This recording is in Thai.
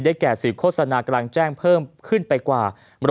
ได้แก่สื่อโฆษณากำลังแจ้งเผินไปกว่า๓๕